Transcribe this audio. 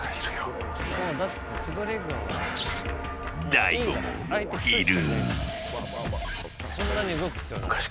大悟もいる。